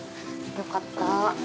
よかった。